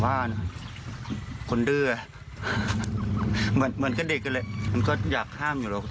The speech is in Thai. ความจำเลอะเลือนเหมือนเด็กแล้วก็ยืนยันว่าตัวเองไม่ได้ทุบตียายเพราะว่ายายดื้อจริง